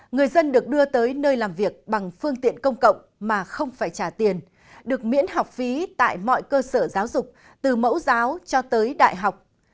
người dân được đưa tới nơi làm việc bằng phương tiện công cộng mà không phải trả tiền được miễn học phí tại mọi cơ sở giáo dục từ mẫu giáo cho tới đại học